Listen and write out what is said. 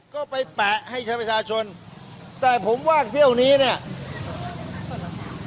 ก็ไปแปะให้ใช้ประชาชนแต่ผมว่าเที่ยวนี้เนี่ย